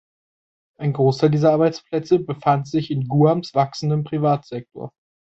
Ein Großteil dieser Arbeitsplätze befand sich in Guams wachsendem Privatsektor.